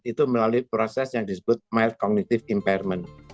itu melalui proses yang disebut mild cognitive impairment